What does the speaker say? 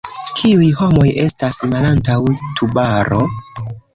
Kiuj homoj estas malantaŭ Tubaro?